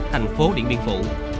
thành phố điện biên phủ